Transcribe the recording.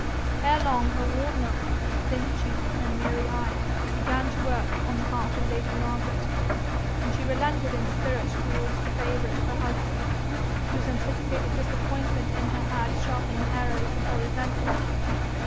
Ere long her worn look, thin cheek, and weary eye began to work on the heart of lady Margaret, and she relented in spirit towards the favourite of her husband, whose anticipated disappointment in her had sharpened the arrows of her resentment.